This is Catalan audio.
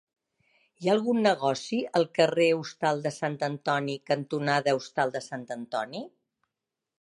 Hi ha algun negoci al carrer Hostal de Sant Antoni cantonada Hostal de Sant Antoni?